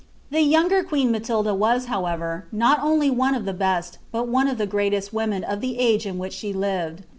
The younger queen Matilda was, how ever, not only one of the best, but one of the greatest, women of the use in which she lived.